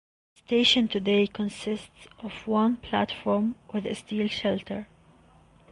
The station today consists of one platform with a steel shelter.